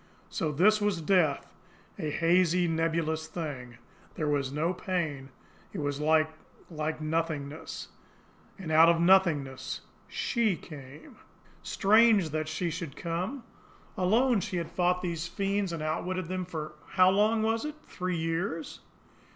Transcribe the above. So this was death a hazy, nebulous thing! There was no pain. It was like like nothingness. And out of the nothingness SHE came. Strange that she should come! Alone she had fought these fiends and outwitted them for how long was it? Three years!